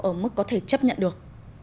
ở mức có thể chấp nhận được